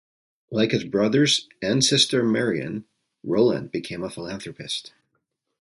Like his brothers and sister Marion, Rolland became a philanthropist.